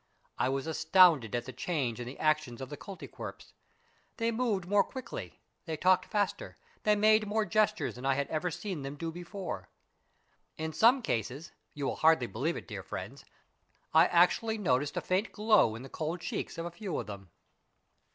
I was astounded at the change in the actions of the Koltykwerps. They moved more quickly, they talked faster, they made more gestures than I had ever seen them do before. In some cases, you will hardly believe it, dear friends, I actually noticed a faint glow in the cold cheeks of a few of them.